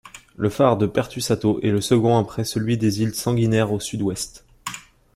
Le phare de Pertusato est le second après celui des îles Sanguinaires au sud-ouest.